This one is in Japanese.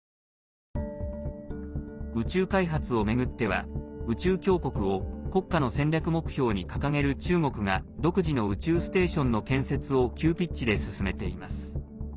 宇宙開発を巡っては宇宙強国を国家の戦略目標に掲げる中国が独自の宇宙ステーションの建設を急ピッチで進めています。